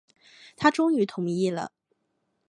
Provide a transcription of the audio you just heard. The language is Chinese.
他终于同意了